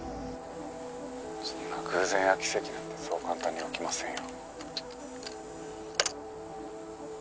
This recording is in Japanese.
「そんな偶然や奇跡なんてそう簡単に起きませんよ」